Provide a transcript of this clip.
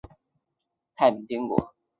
一部分余部逃往镇江加入太平天国。